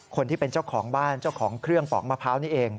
คนที่เป็นเจ้าของบ้านเจ้าของเครื่องปอกมะพร้าวนี่เอง